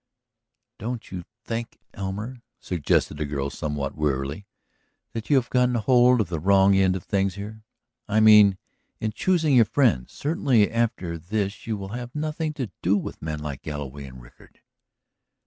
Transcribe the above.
"Don't you think, Elmer," suggested the girl somewhat wearily, "that you have gotten hold of the wrong end of things here? I mean in choosing your friends? Certainly after this you will have nothing to do with men like Galloway and Rickard?"